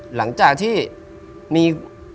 หลังจากที่มี